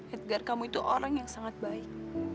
edgar kamu itu orang yang sangat baik